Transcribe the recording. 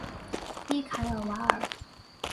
伊凯尔瓦尔。